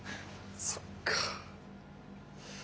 そっか。